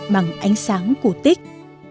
bằng ánh sáng cổ tích